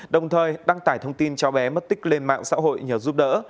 đồng thời đăng tải thông tin cháu bé mất tích lên mạng xã hội nhờ giúp đỡ